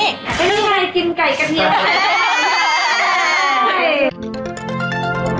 ไม่มีอะไรกินไก่กะเทียมไข่จอย